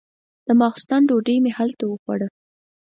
د ماسختن ډوډۍ مې هلته وخوړه.